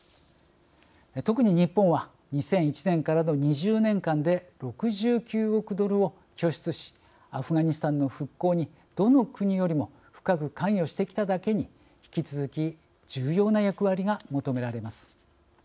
特に日本は２００１年からの２０年間で６９億ドルを拠出しアフガニスタンの復興にどの国よりも深く関与してきただけに引き続き重要な役割が求められます。